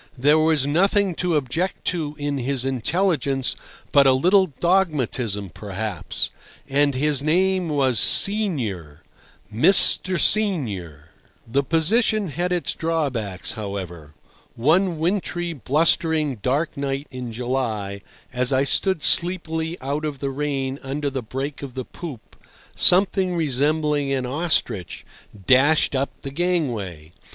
There was nothing to object to in his intelligence but a little dogmatism maybe. And his name was Senior! Mr. Senior! The position had its drawbacks, however. One wintry, blustering, dark night in July, as I stood sleepily out of the rain under the break of the poop something resembling an ostrich dashed up the gangway.